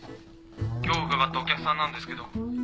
☎今日伺ったお客さんなんですけど。